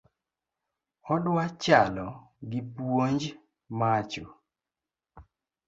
Odua chalo gi puonj macho